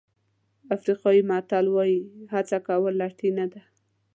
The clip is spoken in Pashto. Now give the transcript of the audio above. افریقایي متل وایي هڅه کول لټي نه ده.